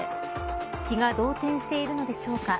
気が動転しているのでしょうか。